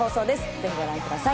ぜひご覧ください